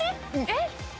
えっ？